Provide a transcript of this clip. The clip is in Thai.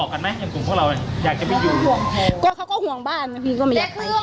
ก็เขาก็ห่วงบ้านนะพี่ก็ไม่อยาก